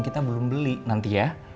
kita belum beli nanti ya